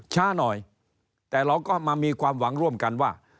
ช้าหน่อยแต่เราก็มามีความหวังร่วมกันว่า